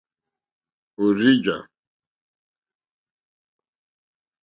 Òrzì jǎ.